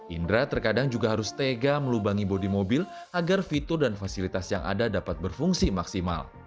indra terkadang juga harus tega melubangi bodi mobil agar fitur dan fasilitas yang ada dapat berfungsi maksimal